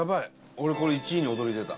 俺、これ、１位に躍り出た。